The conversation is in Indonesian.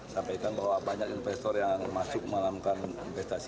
sampaikan bahwa banyak investor yang masuk melakukan investasi